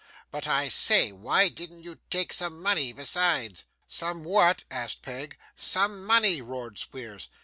But, I say, why didn't you take some money besides?' 'Some what?' asked Peg. 'Some money,' roared Squeers.